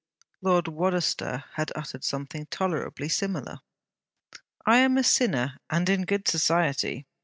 Lord Wadaster had uttered something tolerably similar: 'I am a sinner, and in good society.'